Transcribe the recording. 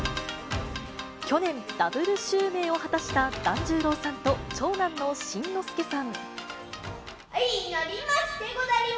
去年、ダブル襲名を果たした團十郎さんと長男の新之助さん。